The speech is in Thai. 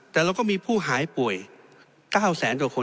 แต่เราก็มีผู้หายป่วย๙แสนกว่าคน